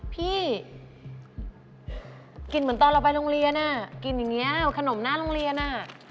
พี่กลิ่นเหมือนตอนเราไปโรงเรียนอ่ะกลิ่นอย่างนี้ขนมหน้าโรงเรียนอ่ะ